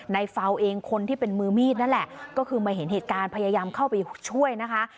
เฝ้าเองคนที่เป็นมือมีดนั่นแหละก็คือมาเห็นเหตุการณ์พยายามเข้าไปช่วยนะคะ